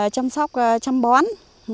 chăm sóc chăm bón